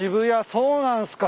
そうなんすか。